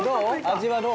味はどう？